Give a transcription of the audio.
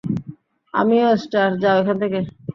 আমিও স্টার, - যাও এখান থেকে।